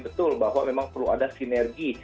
betul bahwa memang perlu ada sinergi